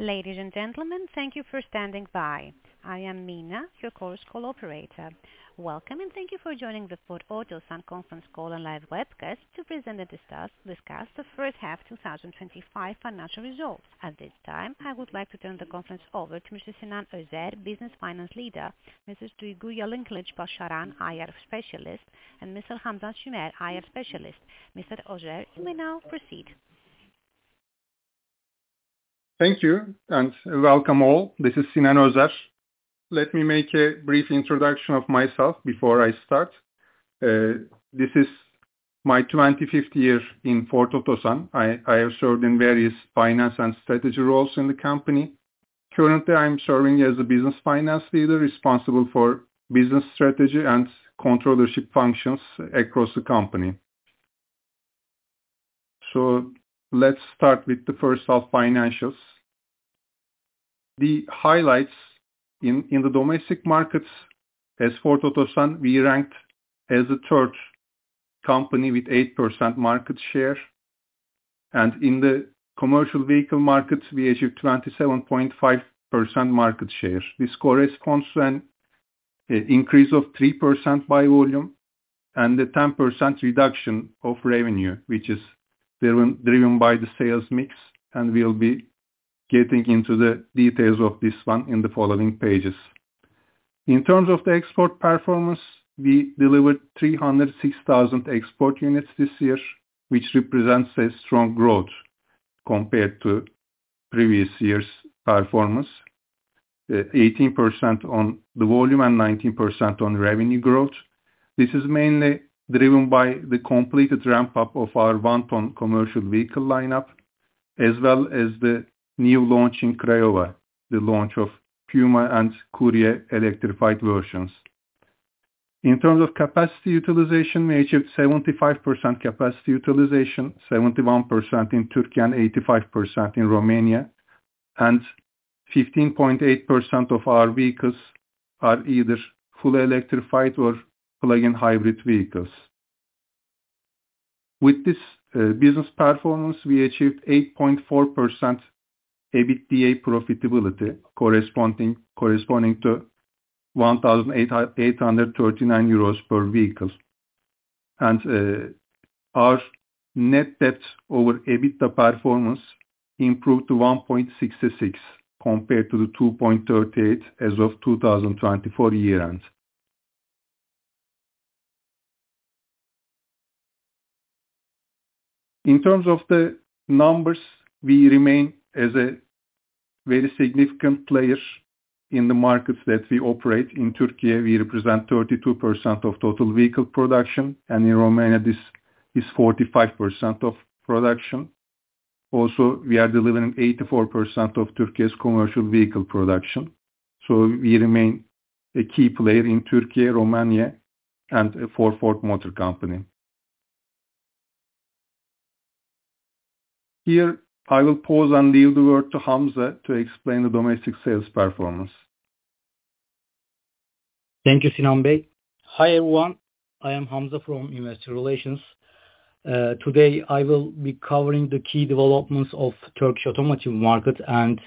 Ladies and gentlemen, thank you for standing by. I am Mina, your chorus call operator. Welcome, and thank you for joining the Ford Otosan conference call and live webcast to present and discuss the first half financial results. At this time, I would like to turn the conference over to Mr. Sinan Özer, Business Finance Leader, Mrs. Duygu Yalınçalıç Başaran, IR Specialist, and Mr. Hamza Sümer IR Specialist. Mr. Özer, you may now proceed. Thank you, and welcome all. This is Sinan Özer. Let me make a brief introduction of myself before I start. This is my 25th year in Ford Otosan. I have served in various finance and strategy roles in the company. Currently, I'm serving as a business finance leader responsible for business strategy and controllership functions across the company. Let's start with the first half financials. The highlights in the domestic markets as Ford Otosan, we ranked as the third company with 8% market share. In the Commercial Vehicle market, we achieved 27.5% market share. This corresponds to an increase of 3% by volume and a 10% reduction of revenue, which is driven by the sales mix, and we'll be getting into the details of this one in the following pages. In terms of the export performance, we delivered 306,000 export units this year, which represents a strong growth compared to previous year's performance. 18% on the volume and 19% on revenue growth. This is mainly driven by the completed ramp-up of our one-ton Commercial Vehicle lineup, as well as the new launch in Craiova, the launch of Puma and Courier electrified versions. In terms of capacity utilization, we achieved 75% capacity utilization, 71% in Turkey and 85% in Romania. 15.8% of our vehicles are either fully electrified or plug-in hybrid vehicles. With this, business performance, we achieved 8.4% EBITDA profitability corresponding to 1,839 euros per vehicle. Our Net Debt over EBITDA performance improved to 1.66x compared to the 2.38x as of 2024 year-end. In terms of the numbers, we remain as a very significant player in the markets that we operate. In Turkey, we represent 32% of total vehicle production, and in Romania, this is 45% of production. Also, we are delivering 84% of Turkey's Commercial Vehicle production. We remain a key player in Turkey, Romania, and for Ford Motor Company. Here, I will pause and leave the word to Hamza to explain the domestic sales performance. Thank you, Sinan Özer. Hi, everyone. I am Hamza from Investor Relations. Today I will be covering the key developments of Turkish automotive market and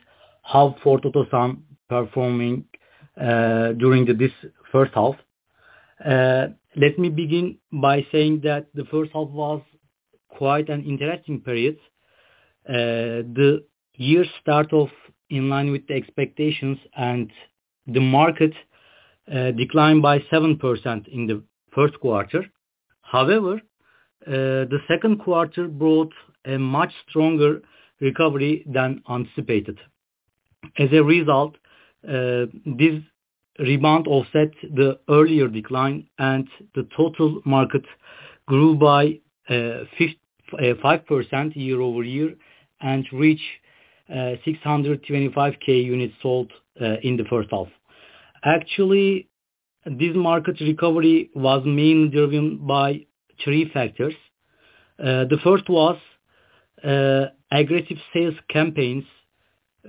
how Ford Otosan performing during this first half. Let me begin by saying that the first half was quite an interesting period. The year start off in line with the expectations and the market declined by 7% in the first quarter. However, the second quarter brought a much stronger recovery than anticipated. As a result, this rebound offset the earlier decline, and the total market grew by 55% year-over-year and reached 625,000 units sold in the first half. Actually, this market recovery was mainly driven by three factors. The first was aggressive sales campaigns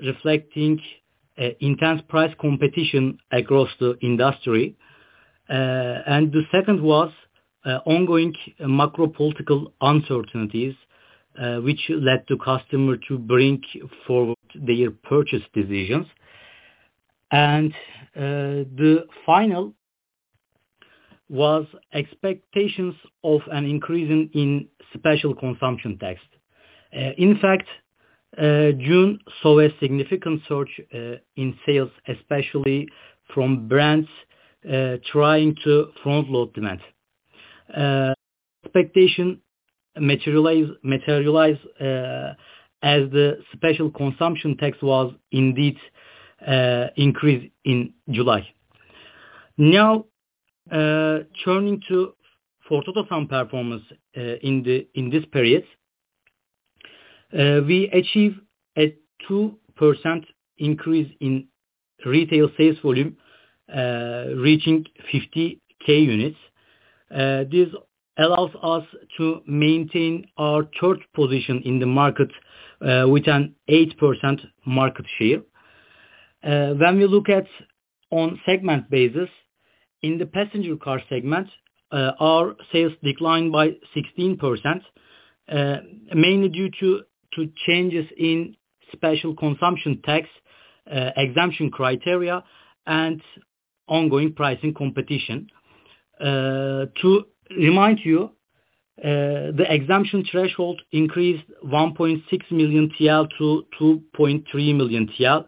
reflecting intense price competition across the industry. The second was ongoing macro-political uncertainties, which led to customers to bring forward their purchase decisions. The final was expectations of an increase in Special Consumption Tax. In fact, June saw a significant surge in sales, especially from brands trying to front-load demand. Expectations materialized as the Special Consumption Tax was indeed increased in July. Now turning to Ford Otosan performance in this period. We achieved a 2% increase in retail sales volume, reaching 50,000 units. This allows us to maintain our third position in the market with an 8% market share. When we look at on segment basis, in the Passenger Car segment, our sales declined by 16%, mainly due to changes in Special Consumption Tax exemption criteria and ongoing pricing competition. To remind you, the exemption threshold increased 1.6 million-2.3 million TL.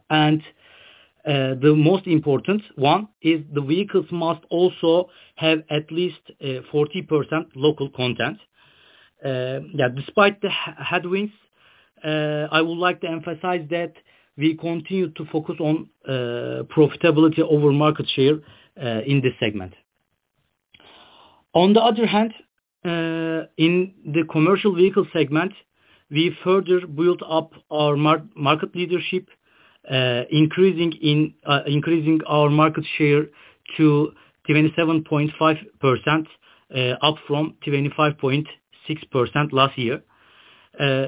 The most important one is the vehicles must also have at least 40% local content. Despite the headwinds, I would like to emphasize that we continue to focus on profitability over market share in this segment. On the other hand, in the Commercial Vehicle segment, we further built up our market leadership, increasing our market share to 27.5%, up from 25.6% last year.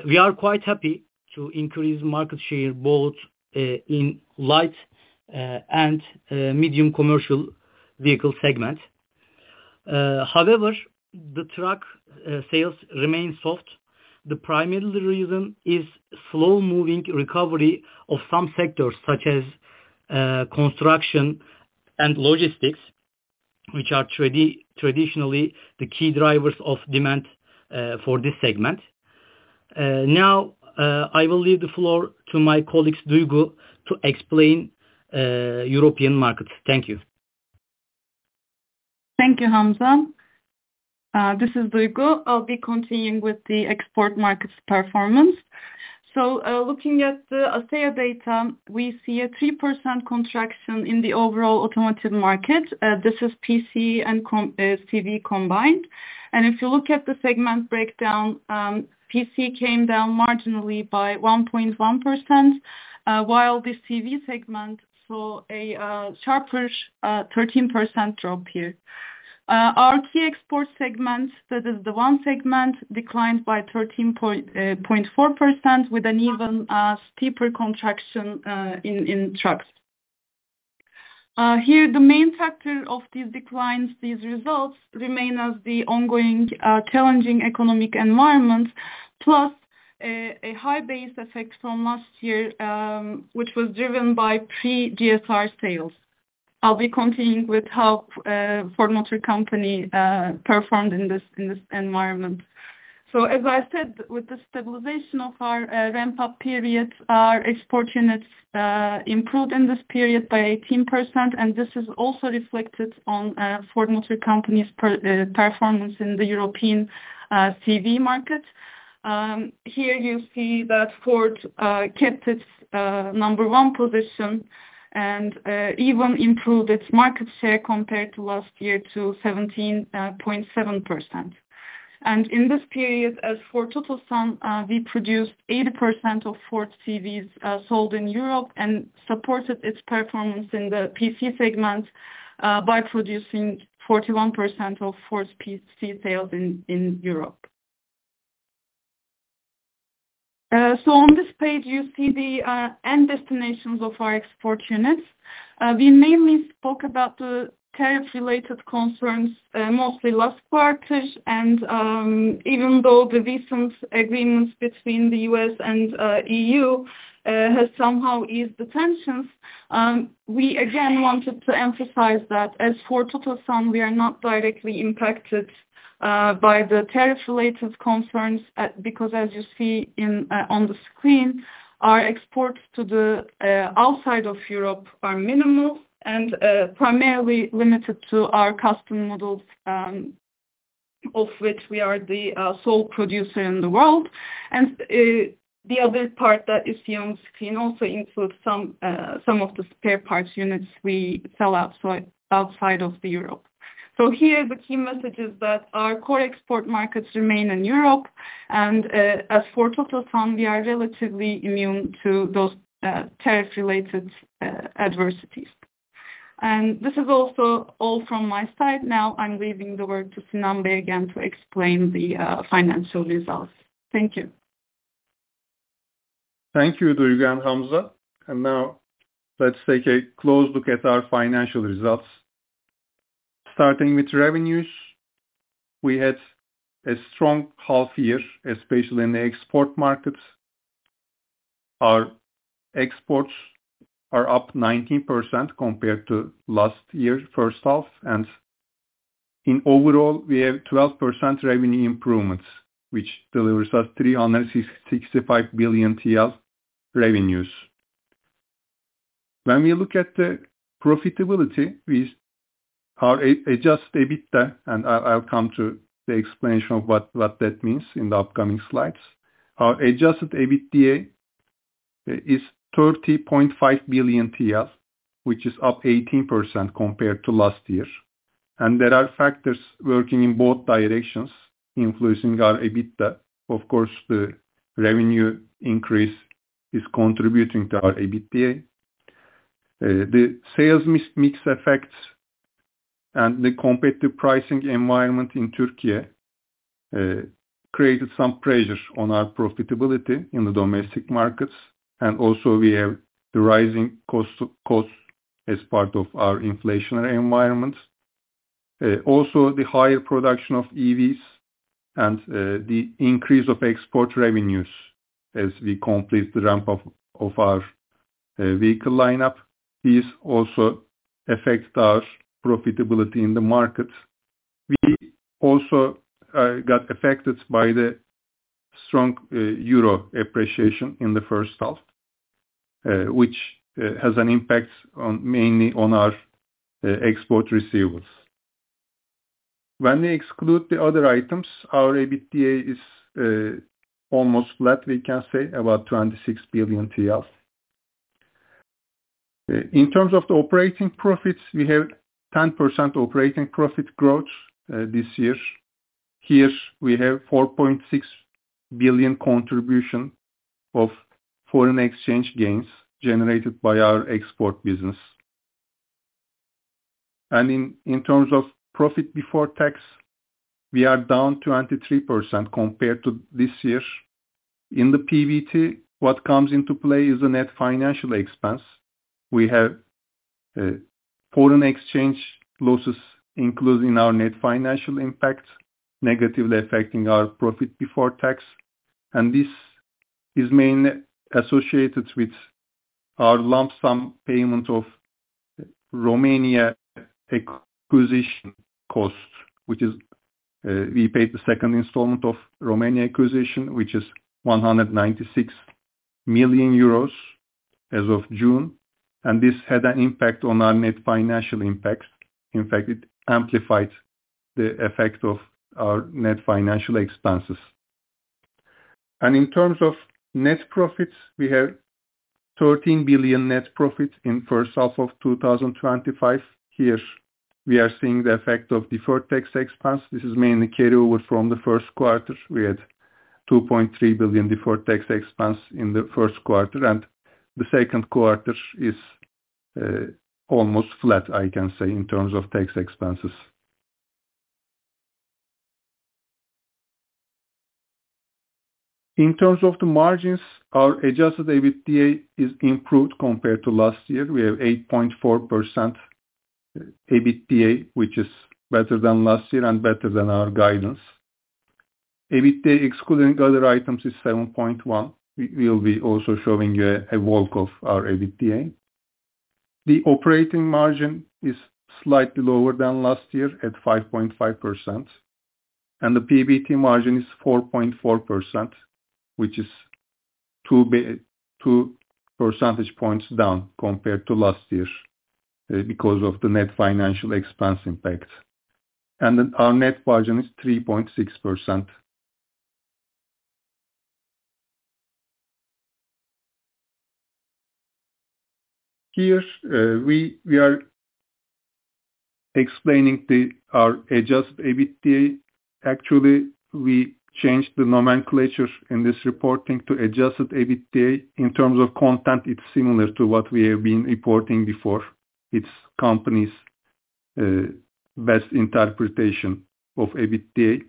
We are quite happy to increase market share both in light and medium Commercial Vehicle segment. However, the truck sales remain soft. The primary reason is slow-moving recovery of some sectors such as construction and logistics, which are traditionally the key drivers of demand for this segment. Now, I will leave the floor to my colleagues, Duygu, to explain European markets. Thank you. Thank you, Hamza. This is Duygu. I'll be continuing with the export markets performance. Looking at the ACEA data, we see a 3% contraction in the overall automotive market. This is PC and CV combined. If you look at the segment breakdown, PC came down marginally by 1.1%, while the CV segment saw a sharper 13% drop here. Our key export segment, that is the one segment, declined by 13.4% with an even steeper contraction in trucks. Here the main factor of these declines, these results remain as the ongoing challenging economic environment, plus a high base effect from last year, which was driven by pre-GSR sales. I'll be continuing with how Ford Motor Company performed in this environment. As I said, with the stabilization of our ramp-up periods, our export units improved in this period by 18%, and this is also reflected on Ford Motor Company's performance in the European CV market. Here you see that Ford kept its number one position and even improved its market share compared to last year to 17.7%. In this period, as for Otosan, we produced 80% of Ford CVs sold in Europe and supported its performance in the PC segment by producing 41% of Ford's PC sales in Europe. On this page, you see the end destinations of our export units. We mainly spoke about the tariff-related concerns mostly last quarter. Even though the recent agreements between the U.S. and EU has somehow eased the tensions, we again wanted to emphasize that as for Otosan, we are not directly impacted by the tariff-related concerns because as you see on the screen, our exports to the outside of Europe are minimal and primarily limited to our custom models, of which we are the sole producer in the world. The other part that is seen on screen also includes some of the spare parts units we sell outside of Europe. Here the key message is that our core export markets remain in Europe and as for Otosan, we are relatively immune to those tariff-related adversities. This is also all from my side. Now I'm leaving the word to Sinan Özer again to explain the financial results. Thank you. Thank you, Duygu and Hamza. Now let's take a close look at our financial results. Starting with revenues, we had a strong half year, especially in the export markets. Our exports are up 19% compared to last year first half. In overall, we have 12% revenue improvements, which delivers us 365 billion TL revenues. When we look at the profitability, our Adjusted EBITDA, and I'll come to the explanation of what that means in the upcoming slides. Our Adjusted EBITDA is 30.5 billion TL, which is up 18% compared to last year. There are factors working in both directions influencing our EBITDA. Of course, the revenue increase is contributing to our EBITDA. The sales mix effects and the competitive pricing environment in Türkiye created some pressure on our profitability in the domestic markets. We also have the rising costs as part of our inflationary environment. Also the higher production of EVs and the increase of export revenues as we complete the ramp up of our vehicle lineup. These also affect our profitability in the market. We also got affected by the strong euro appreciation in the first half, which has an impact mainly on our export receivables. When we exclude the other items, our EBITDA is almost flat, we can say about 26 billion TL. In terms of the operating profits, we have 10% operating profit growth this year. Here we have 4.6 billion contribution of foreign exchange gains generated by our export business. In terms of profit before tax, we are down 23% compared to this year. In the PBT, what comes into play is the net financial expense. We have foreign exchange losses included in our net financial impact, negatively affecting our profit before tax. This is mainly associated with our lump sum payment of Romania acquisition costs, which is we paid the second installment of Romania acquisition, which is 196 million euros as of June. This had an impact on our net financial impacts. In fact, it amplified the effect of our net financial expenses. In terms of net profits, we have 13 billion net profits in first half of 2025. Here we are seeing the effect of deferred tax expense. This is mainly carryover from the first quarter. We had 2.3 billion deferred tax expense in the first quarter, and the second quarter is almost flat, I can say, in terms of tax expenses. In terms of the margins, our Adjusted EBITDA is improved compared to last year. We have 8.4% EBITDA, which is better than last year and better than our guidance. EBITDA excluding other items is 7.1%. We'll be also showing you a walk of our EBITDA. The operating margin is slightly lower than last year at 5.5%, and the PBT margin is 4.4%, which is two percentage points down compared to last year, because of the net financial expense impact. Our net margin is 3.6%. Here, we are explaining our Adjusted EBITDA. Actually, we changed the nomenclature in this reporting to Adjusted EBITDA. In terms of content, it's similar to what we have been reporting before. It's company's best interpretation of EBITDA.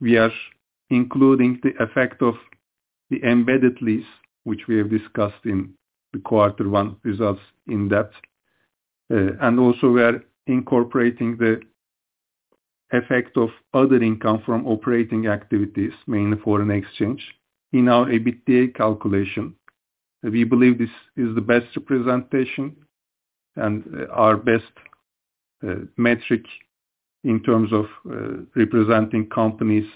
We are including the effect of the embedded lease, which we have discussed in the quarter one results in depth. And also we are incorporating the effect of other income from operating activities, mainly foreign exchange in our EBITDA calculation. We believe this is the best representation and our best metric in terms of representing company's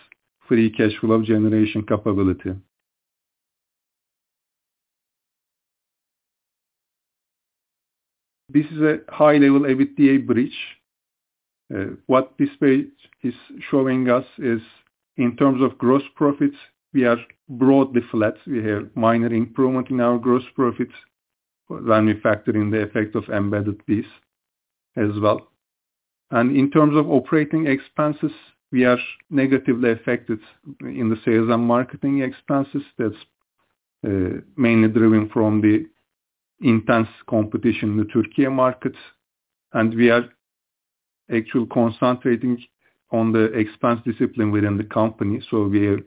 free cash flow generation capability. This is a high-level EBITDA bridge. What this page is showing us is in terms of gross profits, we are broadly flat. We have minor improvement in our gross profits when we factor in the effect of embedded lease as well. In terms of operating expenses, we are negatively affected in the sales and marketing expenses. That's mainly driven from the intense competition in the Türkiye market. We are actually concentrating on the expense discipline within the company. We have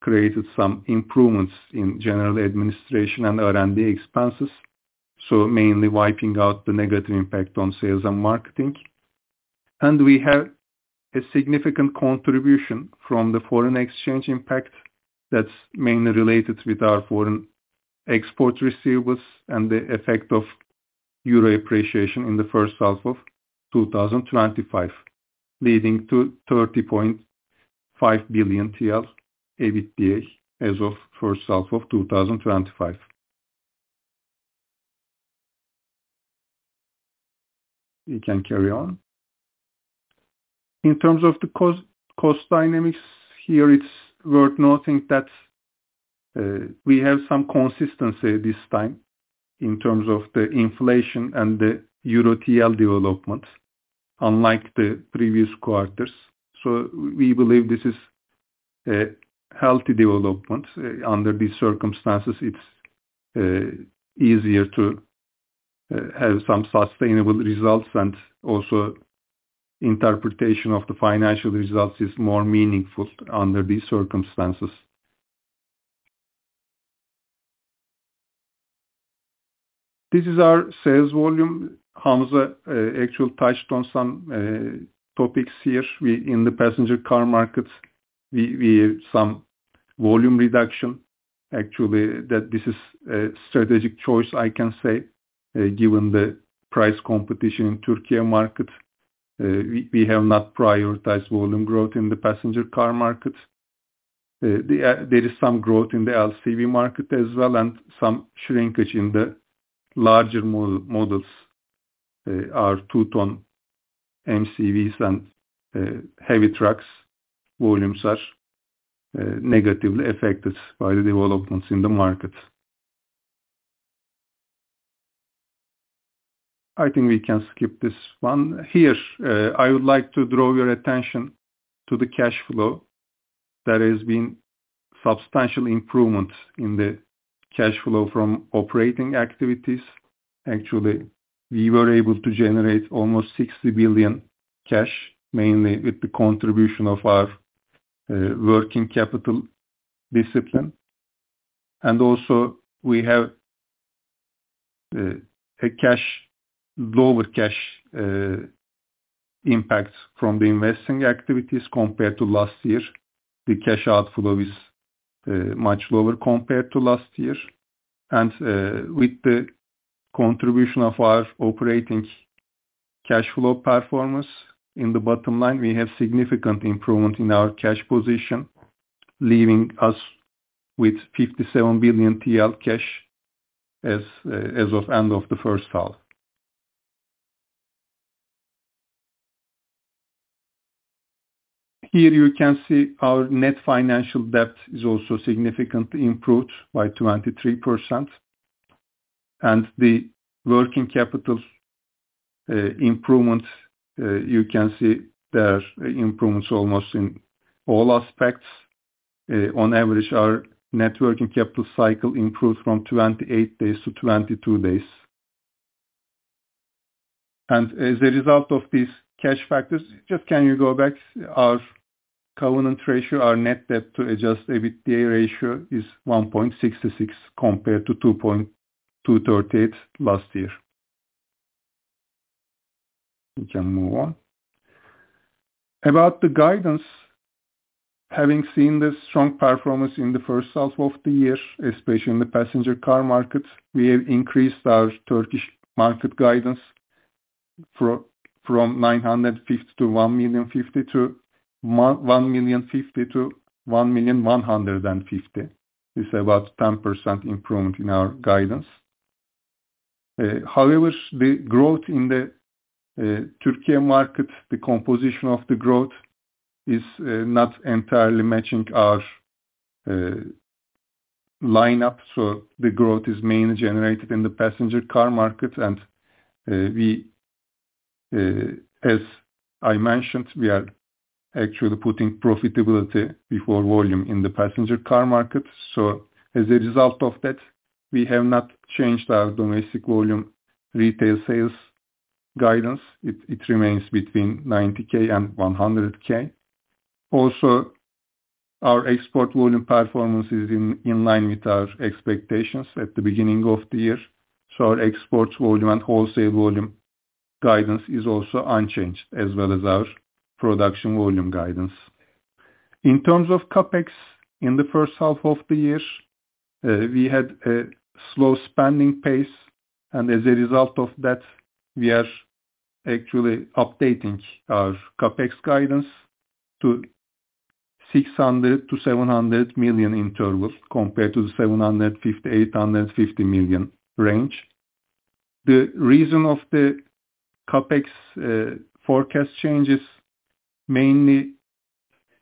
created some improvements in general administration and R&D expenses, mainly wiping out the negative impact on sales and marketing. We have a significant contribution from the foreign exchange impact that's mainly related with our foreign export receivables and the effect of euro appreciation in the first half of 2025, leading to 30.5 billion TL EBITDA as of first half of 2025. You can carry on. In terms of the Cost Dynamics, here it's worth noting that we have some consistency this time in terms of the inflation and the Euro-TL Development, unlike the previous quarters. We believe this is a healthy development. Under these circumstances, it's easier to have some sustainable results. Also, interpretation of the financial results is more meaningful under these circumstances. This is our sales volume. Hamza actually touched on some topics here. In the Passenger Car markets, some volume reduction actually, that this is a strategic choice, I can say, given the price competition in Turkey market, we have not prioritized volume growth in the Passenger Car market. There is some growth in the LCV market as well and some shrinkage in the larger models. Our two-ton MCVs and heavy trucks volumes are negatively affected by the developments in the market. I think we can skip this one. Here, I would like to draw your attention to the cash flow. There has been substantial improvement in the cash flow from operating activities. Actually, we were able to generate almost 60 billion cash, mainly with the contribution of our working capital discipline. Also we have lower cash impact from the investing activities compared to last year. The cash outflow is much lower compared to last year. With the contribution of our operating cash flow performance in the bottom line, we have significant improvement in our cash position, leaving us with 57 billion TL cash as of the end of the first half. Here you can see our net financial debt is also significantly improved by 23%. The working capital improvement, you can see there's improvements almost in all aspects. On average, our net working capital cycle improved from 28-22 days. As a result of these cash factors. Just, can you go back? Our covenant ratio, our Net Debt to Adjusted EBITDA ratio is 1.66x compared to 2.238x last year. We can move on. About the guidance, having seen the strong performance in the first half of the year, especially in the Passenger Car market, we have increased our Turkish market guidance from 950 to 1,050 to 1,150. It's about 10% improvement in our guidance. However, the growth in the Turkey market, the composition of the growth is not entirely matching our lineup. The growth is mainly generated in the Passenger Car market. As I mentioned, we are actually putting profitability before volume in the Passenger Car market. As a result of that, we have not changed our domestic volume retail sales guidance. It remains between 90,000 and 100,000. Also, our export volume performance is in line with our expectations at the beginning of the year. Our export volume and wholesale volume guidance is also unchanged, as well as our production volume guidance. In terms of CapEx, in the first half of the year, we had a slow spending pace, and as a result of that, we are actually updating our CapEx guidance to 600million- 700 million compared to the 750 million-850 million range. The reason for the CapEx forecast changes, mainly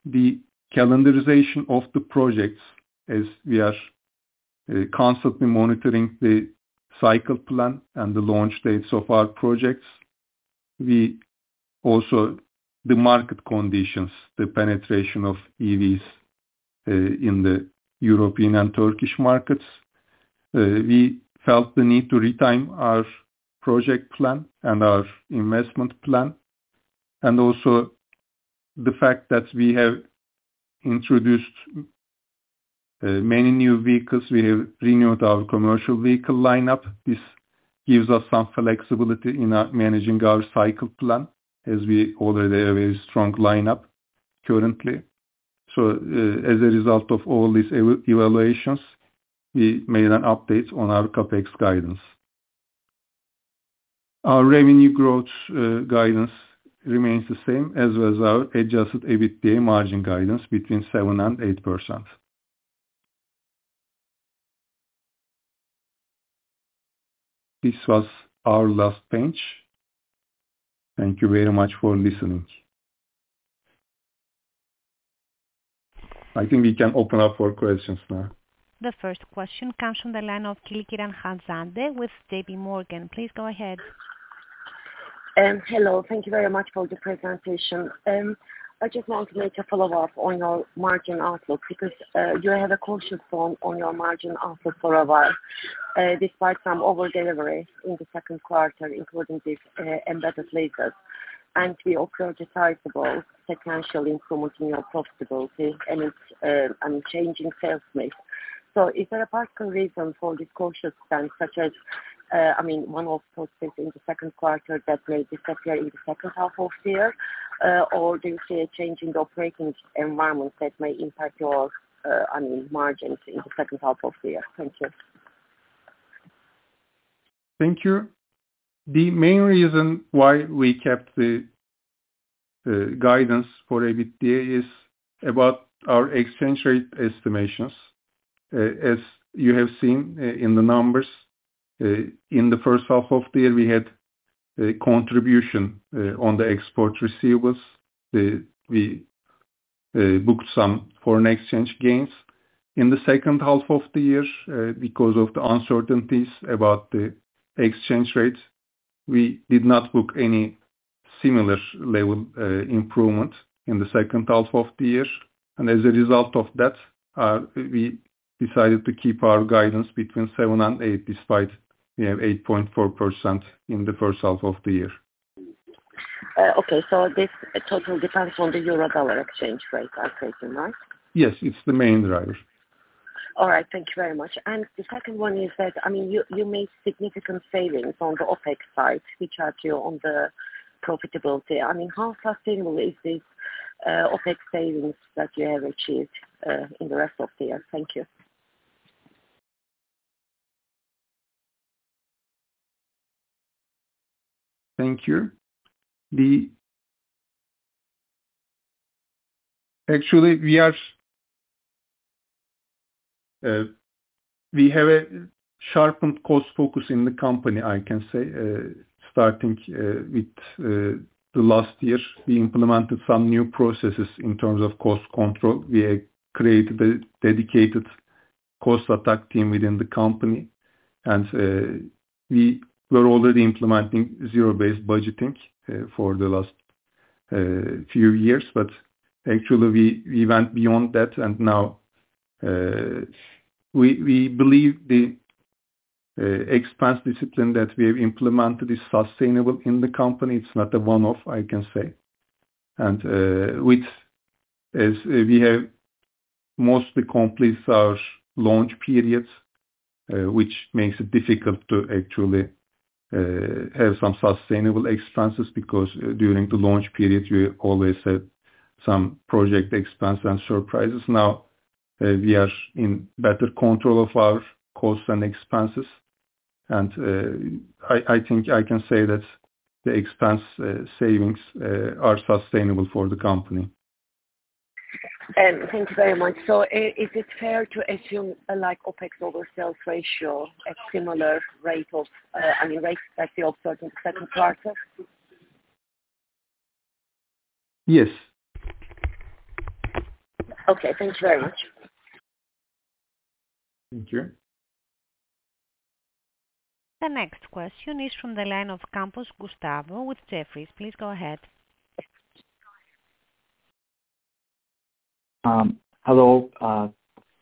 the calendarization of the projects as we are constantly monitoring the cycle plan and the launch dates of our projects. The market conditions, the penetration of EVs in the European and Turkish markets, we felt the need to retime our project plan and our investment plan, and also the fact that we have introduced many new vehicles. We have renewed our Commercial Vehicle lineup. This gives us some flexibility in managing our cycle plan as we already have a strong lineup currently. As a result of all these evaluations, we made an update on our CapEx guidance. Our revenue growth guidance remains the same as well as our Adjusted EBITDA margin guidance between 7% and 8%. This was our last page. Thank you very much for listening. I think we can open up for questions now. The first question comes from the line of Kılıçhan Zande with JPMorgan. Please go ahead. Hello. Thank you very much for the presentation. I just want to make a follow-up on your margin outlook because you have a cautious tone on your margin outlook for a while, despite some over-delivery in the second quarter, including these embedded leases, and we see a sizable potential improvement in your profitability and the changing sales mix. Is there a particular reason for this cautious stance such as, I mean, one-off profits in the second quarter that may disappear in the second half of the year? Or do you see a change in the operating environment that may impact your, I mean, margins in the second half of the year? Thank you. Thank you. The main reason why we kept the guidance for EBITDA is about our exchange rate estimations. As you have seen in the numbers, in the first half of the year, we had a contribution on the export receivables. We booked some foreign exchange gains. In the second half of the year, because of the uncertainties about the exchange rate, we did not book any similar level improvement in the second half of the year. As a result of that, we decided to keep our guidance between seven and eight, despite, you know, 8.4% in the first half of the year. Okay. This total depends on the Euro-Dollar exchange rate, I take it, right? Yes, it's the main driver. All right, thank you very much. The second one is that, I mean, you made significant savings on the OpEx side, which helped you on the profitability. I mean, how sustainable is this, OpEx savings that you have achieved, in the rest of the year? Thank you. Thank you. Actually, we have a sharpened cost focus in the company, I can say. Starting with the last year, we implemented some new processes in terms of cost control. We have created a dedicated cost attack team within the company. We were already implementing zero-based budgeting for the last few years. Actually, we went beyond that. Now, we believe the expense discipline that we have implemented is sustainable in the company. It's not a one-off, I can say. Which is, we have mostly completed our launch periods, which makes it difficult to actually have some sustainable expenses, because during the launch period, you always have some project expense and surprises. Now, we are in better control of our costs and expenses. I think I can say that the expense savings are sustainable for the company. Thank you very much. Is it fair to assume a like OpEx over sales ratio at similar rate of, I mean rates that you observed in the second quarter? Yes. Okay. Thank you very much. Thank you. The next question is from the line of Gustavo Campos with Jefferies. Please go ahead. Hello.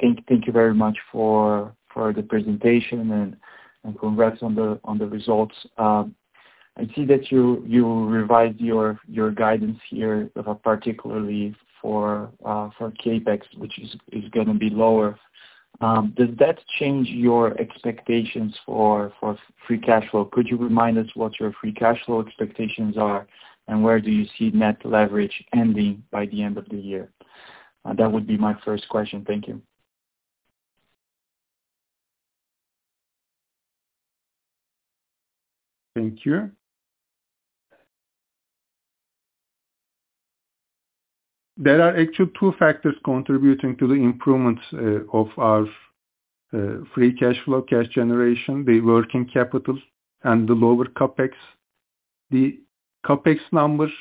Thank you very much for the presentation and congrats on the results. I see that you revised your guidance here, particularly for CapEx, which is gonna be lower. Does that change your expectations for free cash flow? Could you remind us what your free cash flow expectations are, and where do you see net leverage ending by the end of the year? That would be my first question. Thank you. Thank you. There are actually two factors contributing to the improvement of our free cash flow, cash generation, the working capital and the lower CapEx. The CapEx numbers,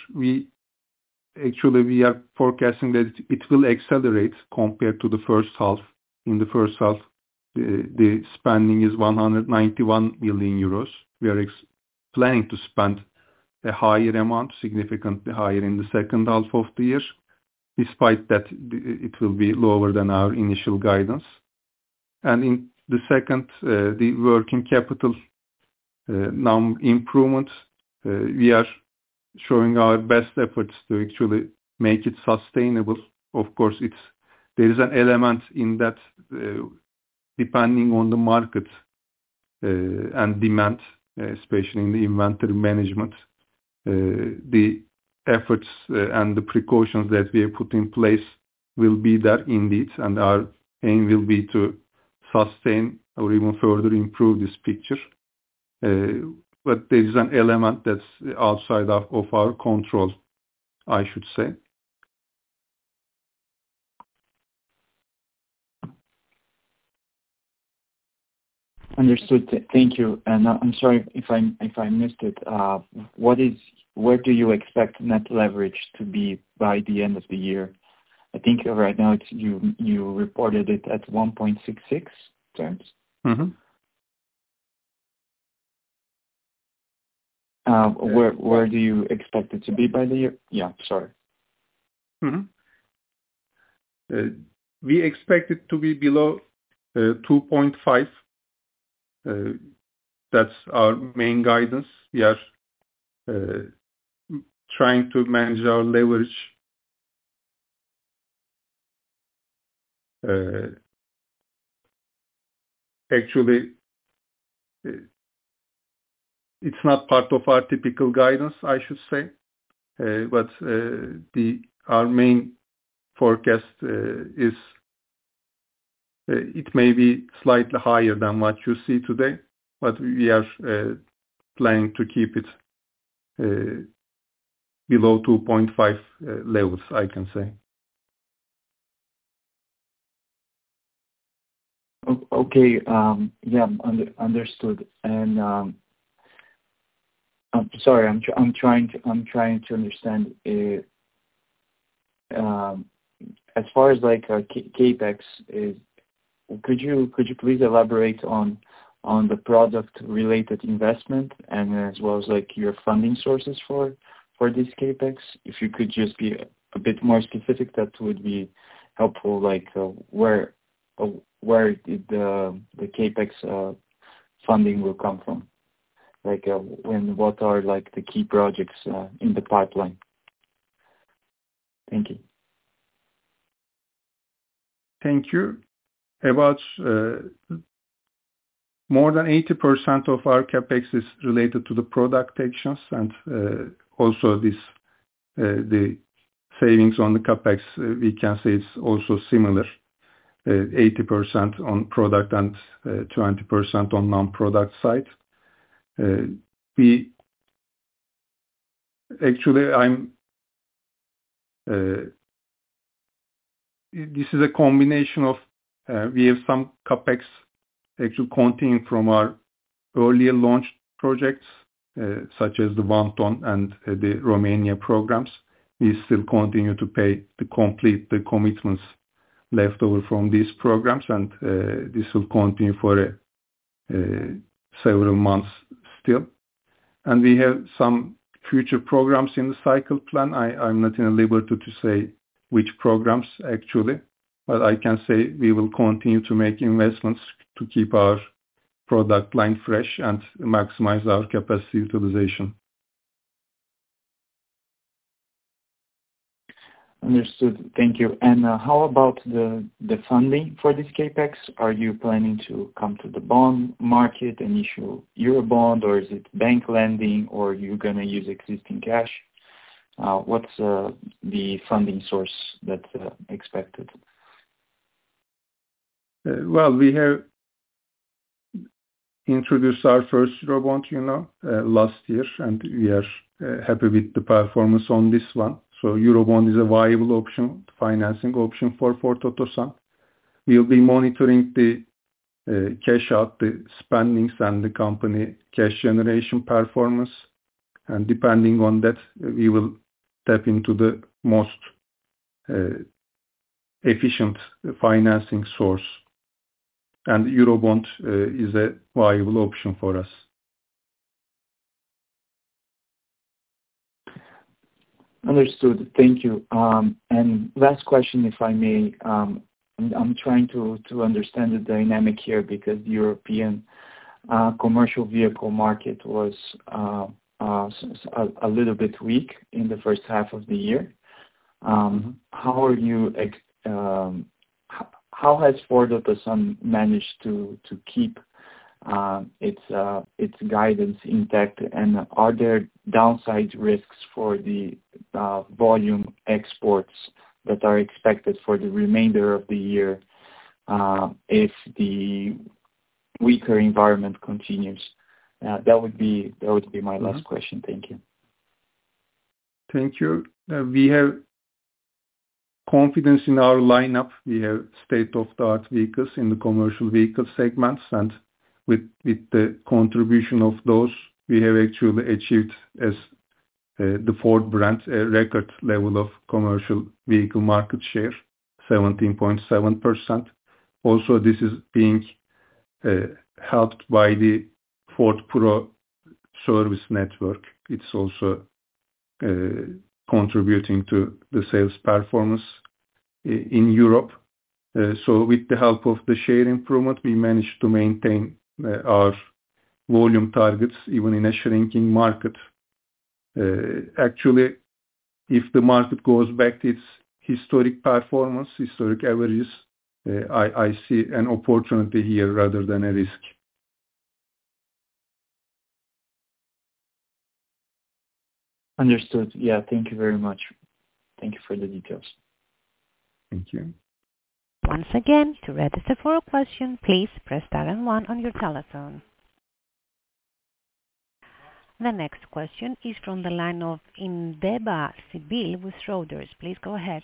actually, we are forecasting that it will accelerate compared to the first half. In the first half, the spending is 191 million euros. We are planning to spend a higher amount, significantly higher in the second half of the year. Despite that, it will be lower than our initial guidance. In the second, the working capital number improvement, we are showing our best efforts to actually make it sustainable. Of course, there is an element in that, depending on the market and demand, especially in the inventory management. The efforts and the precautions that we have put in place will be there indeed, and our aim will be to sustain or even further improve this picture. There is an element that's outside of our control, I should say. Understood. Thank you. I'm sorry if I missed it. Where do you expect net leverage to be by the end of the year? I think right now it's, you reported it at 1.66x. Mm-hmm. Where do you expect it to be by the year? Yeah, sorry. We expect it to be below 2.5x. That's our main guidance. We are trying to manage our leverage. Actually, it's not part of our typical guidance, I should say. Our main forecast is it may be slightly higher than what you see today, but we are planning to keep it below 2.5x levels, I can say. Okay. Yeah, understood. I'm sorry, I'm trying to understand as far as like CapEx is. Could you please elaborate on the product related investment and as well as like your funding sources for this CapEx? If you could just be a bit more specific that would be helpful, like where did the CapEx funding will come from? Like, what are like the key projects in the pipeline? Thank you. Thank you. About more than 80% of our CapEx is related to the product actions. Also, the savings on the CapEx, we can say it's also similar, 80% on product and 20% on non-product side. Actually, this is a combination of, we have some CapEx actually continuing from our earlier launch projects, such as the one-ton and the Romanian programs. We still continue to pay to complete the commitments left over from these programs. This will continue for several months still. We have some future programs in the cycle plan. I'm not at liberty to say which programs actually. I can say we will continue to make investments to keep our product line fresh and maximize our capacity utilization. Understood. Thank you. How about the funding for this CapEx? Are you planning to come to the bond market and issue Eurobond, or is it bank lending, or you're gonna use existing cash? What's the funding source that's expected? Well, we have introduced our first Eurobond, you know, last year, and we are happy with the performance on this one. Eurobond is a viable option, financing option for Ford Otosan. We'll be monitoring the cash out, the spending and the company cash generation performance. Depending on that, we will tap into the most efficient financing source. Eurobond is a viable option for us. Understood. Thank you. Last question, if I may. I'm trying to understand the dynamic here because European Commercial Vehicle market was a little bit weak in the first half of the year. How has Ford Otosan managed to keep its guidance intact? Are there downside risks for the volume exports that are expected for the remainder of the year, if the weaker environment continues? That would be my last question. Thank you. Thank you. We have confidence in our lineup. We have state-of-the-art vehicles in the Commercial Vehicle segments. With the contribution of those, we have actually achieved the Ford brand a record level of Commercial Vehicle market share, 17.7%. This is being helped by the Ford Pro service network. It's also contributing to the sales performance in Europe. With the help of the share improvement, we managed to maintain our volume targets even in a shrinking market. Actually, if the market goes back to its historic performance, historic averages, I see an opportunity here rather than a risk. Understood. Yeah. Thank you very much. Thank you for the details. Thank you. Once again, to register for a question, please press star and one on your telephone. The next question is from the line of Sibil Indebir with Schroders. Please go ahead.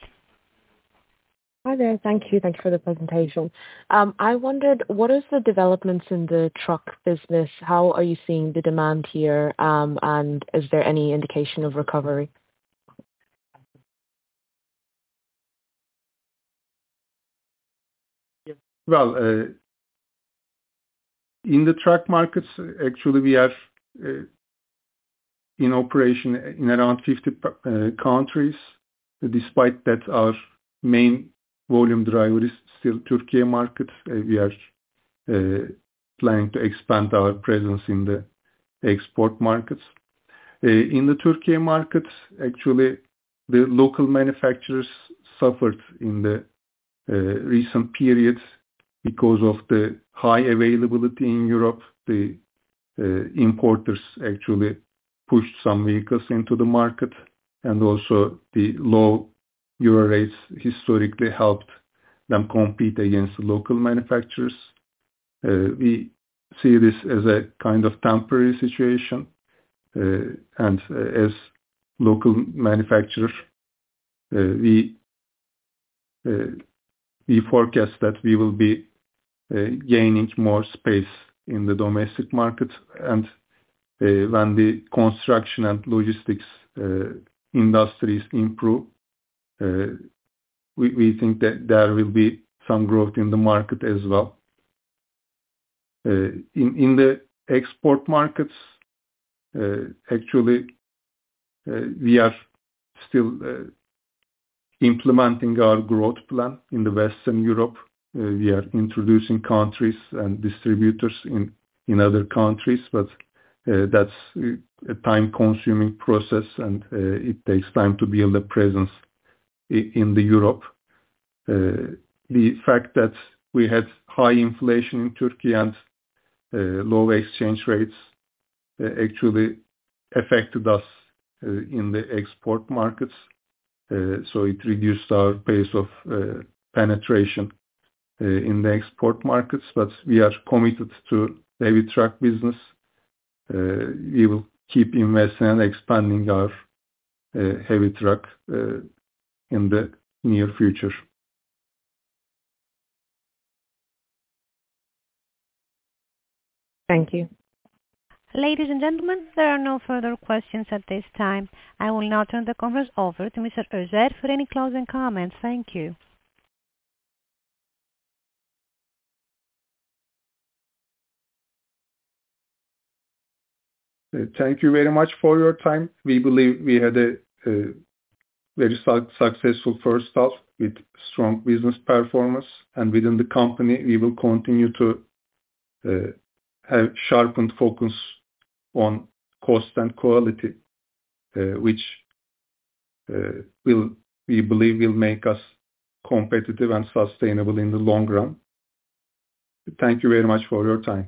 Hi there. Thank you. Thanks for the presentation. I wondered what is the developments in the truck business, how are you seeing the demand here, and is there any indication of recovery? Well, in the truck markets, actually we have in operation in around 50 countries. Despite that, our main volume driver is still Turkey market. We are planning to expand our presence in the export markets. In the Turkey market, actually, the local manufacturers suffered in the recent periods because of the high availability in Europe. The importers actually pushed some vehicles into the market, and also the low euro rates historically helped them compete against local manufacturers. We see this as a kind of temporary situation, and as local manufacturer, we forecast that we will be gaining more space in the domestic market. When the construction and logistics industries improve, we think that there will be some growth in the market as well. In the export markets, actually, we are still implementing our growth plan in Western Europe. We are introducing countries and distributors in other countries, but that's a time-consuming process, and it takes time to build a presence in Europe. The fact that we had high inflation in Turkey and low exchange rates actually affected us in the export markets. It reduced our pace of penetration in the export markets. We are committed to heavy truck business. We will keep investing and expanding our heavy truck in the near future. Thank you. Ladies and gentlemen, there are no further questions at this time. I will now turn the conference over to Mr. Özyurt for any closing comments. Thank you. Thank you very much for your time. We believe we had a very successful first half with strong business performance. Within the company, we will continue to have sharpened focus on cost and quality, which will, we believe, will make us competitive and sustainable in the long run. Thank you very much for your time.